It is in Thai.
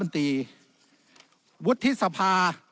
ในมวดที่จะเลือกคนที่จะเป็นนายกรัฐมนตรี